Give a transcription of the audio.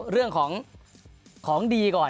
เรื่องของของดีก่อน